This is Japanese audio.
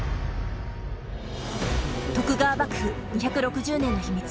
徳川幕府２６０年の秘密。